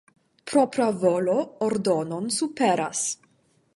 Propra volo ordonon superas.